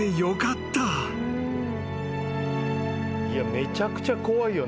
めちゃくちゃ怖いよね